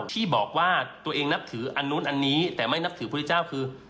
ที่บอกว่าตัวเองนับถืออันนู้นอันนี้แต่ไม่นับถือพุทธเจ้าคือ